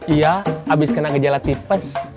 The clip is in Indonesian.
iya habis kena gejala tipes